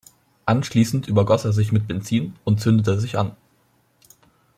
Anschließend übergoss er sich mit Benzin und zündete sich an.